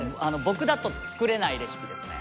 僕だと作れないレシピですね。